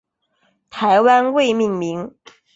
台湾未命名。